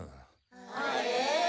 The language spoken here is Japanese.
あれ？